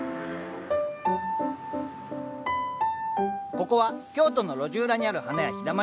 ここは京都の路地裏にある花屋「陽だまり屋」。